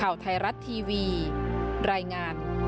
โอ้หัวโก